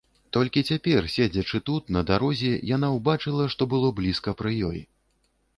Толькі цяпер, седзячы тут, на дарозе, яна ўбачыла, што было блізка пры ёй.